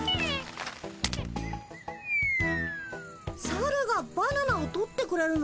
サルがバナナを取ってくれるの？